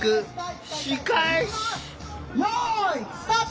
「よいスタート！